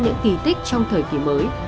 những kỳ tích trong thời kỳ mới